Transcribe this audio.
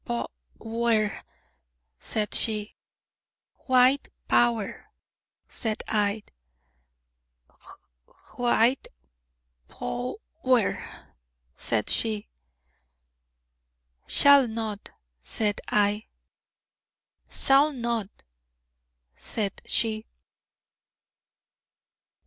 'Pow wer,' said she. 'White Power,' said I. 'Hwhite Pow wer,' said she. 'Shall not,' said I. 'Sall not,' said she.